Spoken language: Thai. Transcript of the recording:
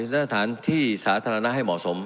สถานที่สาธารณะให้เหมาะสม